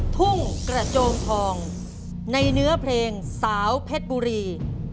ทุ่งกระโจมทองในเนื้อเพลงสาวเพชรบุรี